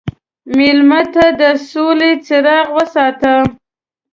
مېلمه ته د سولې څراغ وساته.